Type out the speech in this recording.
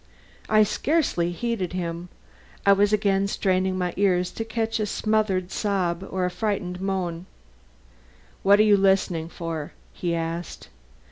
I scarcely heeded him. I was again straining my ears to catch a smothered sob or a frightened moan. "What are you listening for?" he asked.